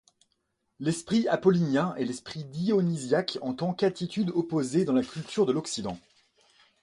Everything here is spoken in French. L’esprit apollinien et l’esprit dionysiaque en tant qu’attitudes opposées dans la culture de l’Occident.